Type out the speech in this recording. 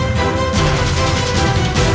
aku akan pergi ke istana yang lain